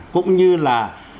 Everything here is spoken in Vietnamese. cũng như là